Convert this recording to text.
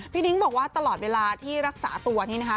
ดิ้งบอกว่าตลอดเวลาที่รักษาตัวนี้นะคะ